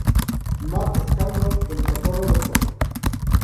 Mark Scanlon reemplazo a Robertson.